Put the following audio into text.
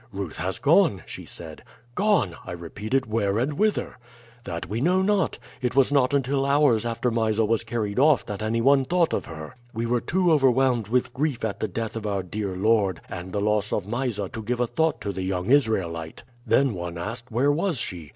"'Ruth has gone,' she said. "'Gone!' I repeated. 'Where and whither?' "'That we know not. It was not until hours after Mysa was carried off that any one thought of her. We were too overwhelmed with grief at the death of our dear lord and the loss of Mysa to give a thought to the young Israelite. Then one asked, where was she?